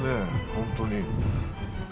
本当に。